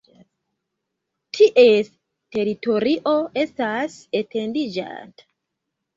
Ties teritorio estas etendiĝanta.